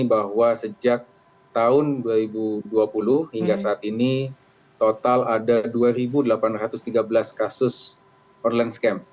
bahwa sejak tahun dua ribu dua puluh hingga saat ini total ada dua delapan ratus tiga belas kasus online scam